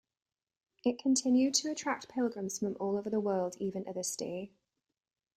It continued to attract pilgrims from all over the world even to this day.